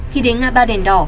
khi đến ngã ba đèn đỏ